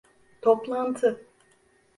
Toplantı…